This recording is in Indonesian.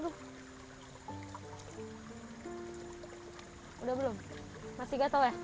udah belum masih gatal ya